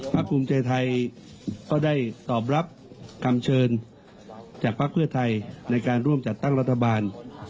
ภูมิใจไทยก็ได้ตอบรับคำเชิญจากภักดิ์เพื่อไทยในการร่วมจัดตั้งรัฐบาล